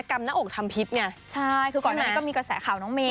กรรมหน้าอกทำพิษใช่คือก่อนนั้นก็มีกระแสข่าวน้องเมย์